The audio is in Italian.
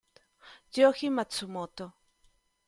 Gyōji Matsumoto